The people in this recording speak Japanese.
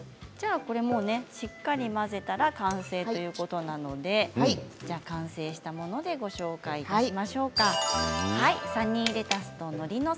しっかり混ぜたら完成ということなので完成したものでご紹介いたしましょう。